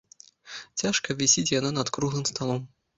Цяжка вісіць яна над круглым сталом.